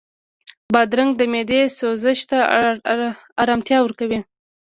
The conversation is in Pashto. بادرنګ د معدې سوزش ته ارامتیا ورکوي.